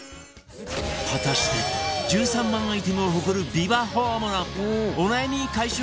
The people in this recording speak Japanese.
果たして１３万アイテムを誇るビバホームのお悩み解消グッズ